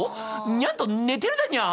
にゃんと寝てるだにゃー！